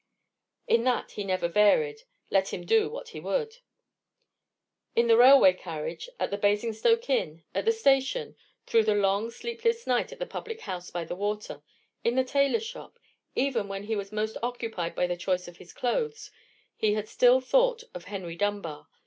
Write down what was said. In that he never varied, let him do what he would. In the railway carriage, at the Basingstoke inn, at the station, through the long sleepless night at the public house by the water, in the tailor's shop, even when he was most occupied by the choice of his clothes, he had still thought of Henry Dunbar.